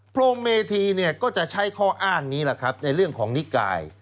โรงเมธีเนี่ยก็จะใช้ข้ออ้างนี้แหละครับในเรื่องของนิกาย